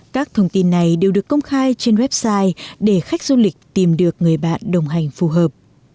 các thông tin này đều được công khai trên website để khách du lịch tìm được người bạn đồng hành phù hợp